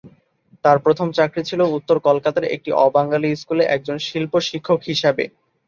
তার প্রথম চাকরি ছিল উত্তর কলকাতার একটি অবাঙালি স্কুলে একজন শিল্প শিক্ষক হিসাবে।